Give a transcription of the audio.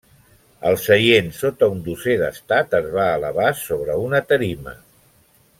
El seient sota un dosser d’estat es va elevar sobre una tarima.